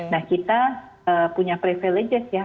nah kita punya privileges ya